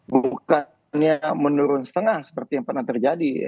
bukannya menurun setengah seperti yang pernah terjadi